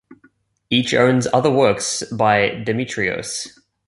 Each owns other works by Demetrios.